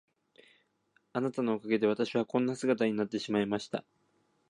あなたのおかげで私はこんな姿になってしまいました。